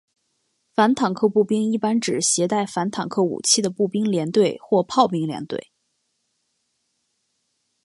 反坦克步兵一般指携带反坦克武器的步兵连队或炮兵连队。